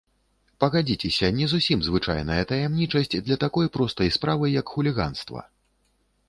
Пагадзіцеся, не зусім звычайная таямнічасць для такой простай справы, як хуліганства!